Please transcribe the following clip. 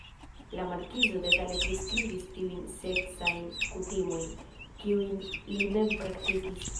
La markizo detale priskribis tiujn seksajn kutimojn, kiujn li mem praktikis.